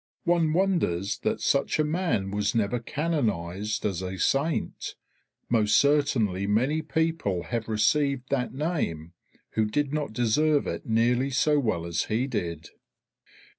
One wonders that such a man was never canonized as a Saint; most certainly many people have received that name who did not deserve it nearly so well as he did.